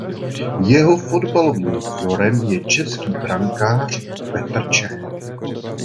Jeho fotbalovým vzorem je český brankář Petr Čech.